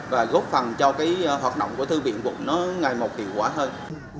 và góp phần cho cái hoạt động của thư viện quận nó ngày một hiệu quả hơn